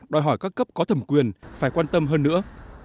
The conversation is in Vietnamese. đòi hỏi các cấp có thẩm quyền phải quan tâm hơn nữa